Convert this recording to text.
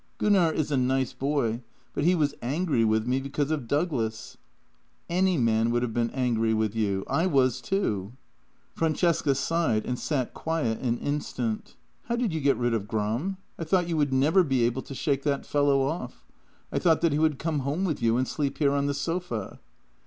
" Gunnar is a nice boy, but he was angry with me because of Douglas." " Any man would have been angry with you. I was, too." Francesca sighed and sat quiet an instant. " How did you get rid of Gram ? I thought you would never be able to shake that fellow off. I thought that he would come home with you and sleep here on the sofa."